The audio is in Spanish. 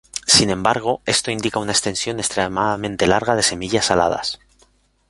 Sin embargo, esto indica una extensión extremadamente larga de semillas aladas.